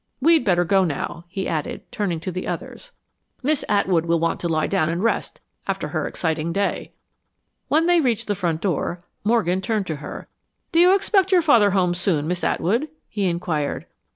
We'd better go now," he added, turning to the others. "Miss Atwood will want to lie down and rest after her exciting day." When they reached the front door, Morgan turned to her. "Do you expect your father home soon, Miss Atwood?" he inquired.